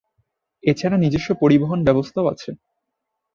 এছাড়া নিজস্ব পরিবহন ব্যবস্থাও আছে।